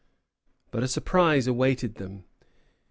But a surprise awaited them.